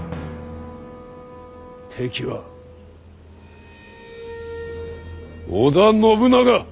敵は織田信長！